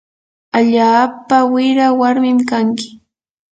allaapa wira warmin kanki.